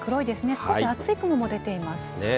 少し厚い雲も出ていますね。